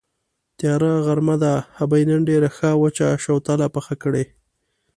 تیاره غرمه ده، ابۍ نن ډېره ښه وچه شوتله پخه کړې.